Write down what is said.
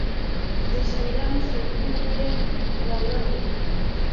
د شاعرانو شعرونه به یې راوړل.